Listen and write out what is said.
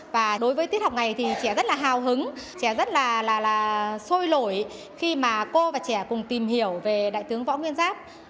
và đối với tiết học ngày thì trẻ rất là hào hứng trẻ rất là xôi lỗi khi mà cô và trẻ cùng tìm hiểu về đại tướng bó nguyên giáp